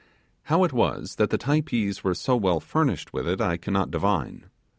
How it was that the Typees were so well furnished with it I cannot divine.